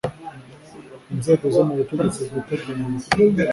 Inzego zo mu butegetsi bwite bwa Leta